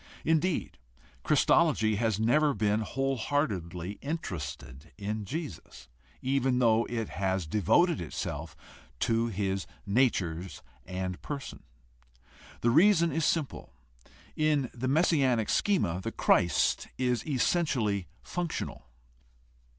Indeed, Christology has never been whole heartedly interested in Jesus, even though it has devoted itself to his natures and person. The reason is simple: in the messianic schema the Christ is essentially functional.